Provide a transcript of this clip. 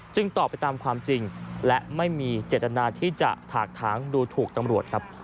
ตอบไปตามความจริงและไม่มีเจตนาที่จะถากถางดูถูกตำรวจครับ